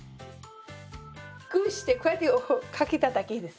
グーしてこうやってかけただけです。